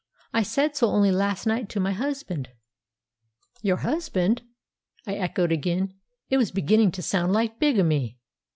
I said so only last night to my husband." "Your husband?" I echoed again. It was beginning to sound like bigamy!